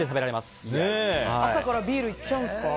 朝からビールいっちゃうんですか？